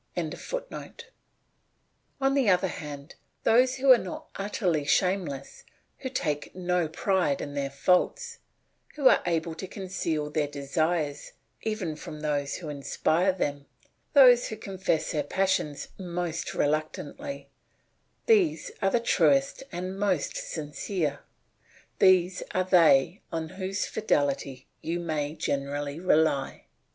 ] On the other hand, those who are not utterly shameless, who take no pride in their faults, who are able to conceal their desires even from those who inspire them, those who confess their passion most reluctantly, these are the truest and most sincere, these are they on whose fidelity you may generally rely.